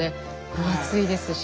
分厚いですし。